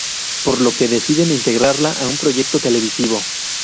Por lo que deciden integrarla a un proyecto televisivo.